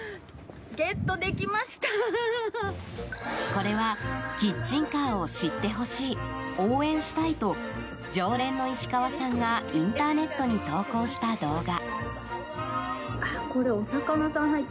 これは、キッチンカーを知ってほしい、応援したいと常連の石川さんがインターネットに投稿した動画。